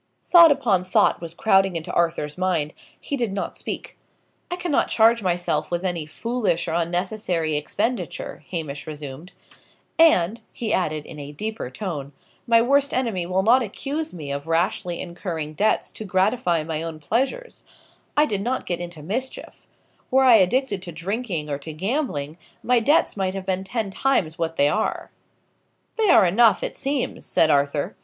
Thought upon thought was crowding into Arthur's mind. He did not speak. "I cannot charge myself with any foolish or unnecessary expenditure," Hamish resumed. "And," he added in a deeper tone, "my worst enemy will not accuse me of rashly incurring debts to gratify my own pleasures. I do not get into mischief. Were I addicted to drinking, or to gambling, my debts might have been ten times what they are." "They are enough, it seems," said Arthur.